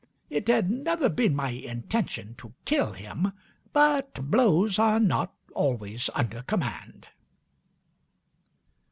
It had never been my intention to kill him, but blows are not always under command."